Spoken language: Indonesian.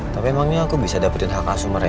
tapi emangnya aku bisa dapetin hak asum mereka